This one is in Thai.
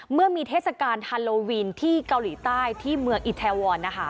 เมื่อมีเทศกาลฮาโลวินที่เกาหลีใต้ที่เมืองอิทาวอนนะคะ